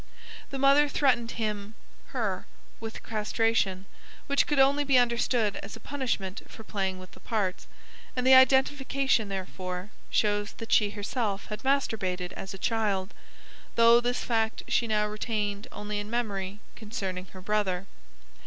The mother threatened him (her) with castration, which could only be understood as a punishment for playing with the parts, and the identification, therefore, shows that she herself had masturbated as a child, though this fact she now retained only in memory concerning her brother.